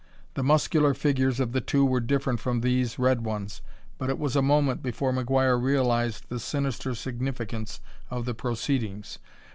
The muscular figures of the two were different from these red ones, but it was a moment before McGuire realized the sinister significance of the proceedings.